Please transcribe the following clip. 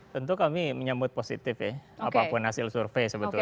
tentu kami menyebut positif apapun hasil survei sebetulnya